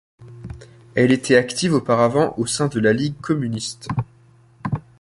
Elle était active auparavant au sein de la Ligue communiste.